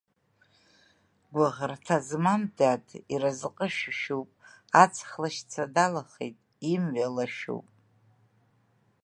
Гәыӷырҭа змам, дад, иразҟы шәышәуп, аҵх лашьца далахеит, имҩа лашәуп!